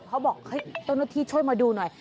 เขาบอกตรงนี้ตัวน้อยช่วยมาดูหน่อย